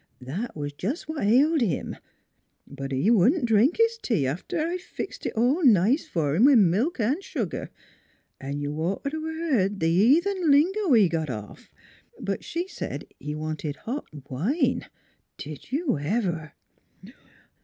That was jes' what ailed him; but he wouldn't drink his tea, after I fixed it all nice f'r him with milk an' sugar. An' you'd ought t' 'a' beared the heathen lingo he got off ! But she said he wanted hot wine. Did you ever?"